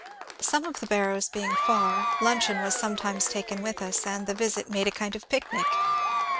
Some of the barrows being far, limcheon was sometimes taken with us, and the visit made a kind of picnic.